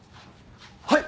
はい！